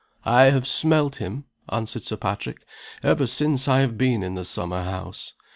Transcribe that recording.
"I have smelt him," answered Sir Patrick, "ever since I have been in the summer house.